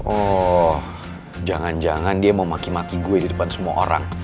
oh jangan jangan dia memaki maki gue di depan semua orang